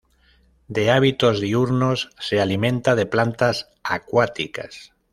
De hábitos diurnos, se alimenta de plantas acuáticas.